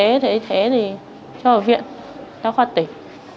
y tế thì cho ở viện cho khoa tỉnh